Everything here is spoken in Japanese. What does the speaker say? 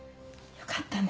よかったね。